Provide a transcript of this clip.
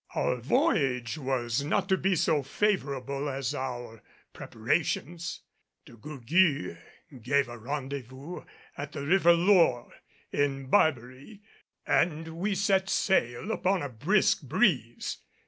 Our voyage was not to be so favorable as our preparations. De Gourgues gave a rendezvous at the River Lor, in Barbary, and we set sail upon a brisk breeze.